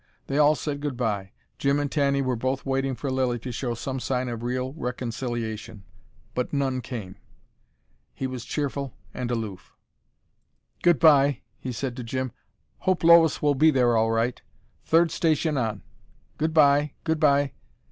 They all said goodbye. Jim and Tanny were both waiting for Lilly to show some sign of real reconciliation. But none came. He was cheerful and aloof. "Goodbye," he said to Jim. "Hope Lois will be there all right. Third station on. Goodbye! Goodbye!"